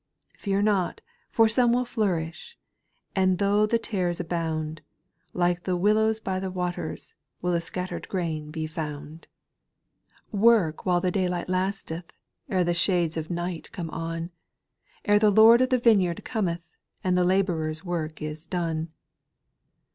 Fear not, for some will flourish. And though the tares abound, Like the willows by the waters, ^ Will the scattered grain be founds V ^V 418 SPIRITUAL SONGS. 6. Work while the daylight lasteth, Ere the shades of night come on, Ere the Lord of the vineyard cometh, And the labourer's work is done.